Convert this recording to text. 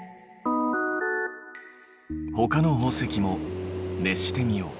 ほかの宝石も熱してみよう。